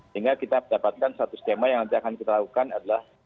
sehingga kita mendapatkan satu skema yang nanti akan kita lakukan adalah